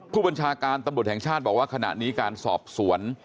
ผู้บัญชาการตำรวจแห่งชาติบอกว่าขณะนี้การสอบสวน